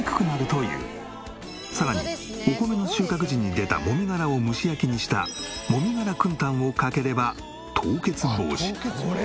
さらにお米の収穫時に出た籾殻を蒸し焼きにした籾殻くんたんをかければ凍結防止。